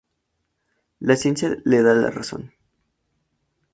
La ciencia le da la razón.